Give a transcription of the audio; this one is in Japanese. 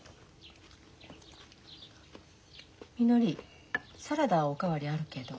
みのりサラダお代わりあるけど。